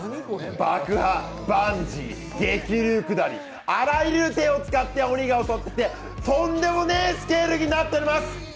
爆破、バンジー、激流下り、あらゆる手を使って鬼が襲ってくるとんでもねぇスケールになっております。